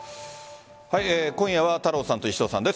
今夜は太郎さんと石戸さんです。